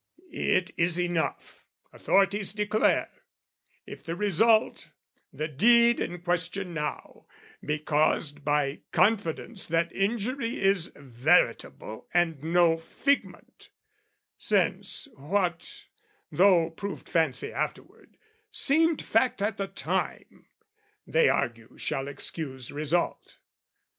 It is enough, authorities declare, If the result, the deed in question now, Be caused by confidence that injury Is veritable and no figment: since, What, though proved fancy afterward, seemed fact At the time, they argue shall excuse result.